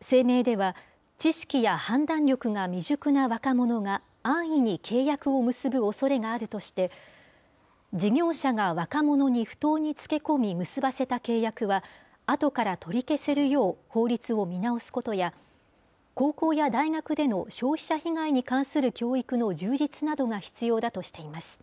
声明では、知識や判断力が未熟な若者が、安易に契約を結ぶおそれがあるとして、事業者が若者に不当につけ込み結ばせた契約は、あとから取り消せるよう、法律を見直すことや、高校や大学での消費者被害に関する教育の充実などが必要だとしています。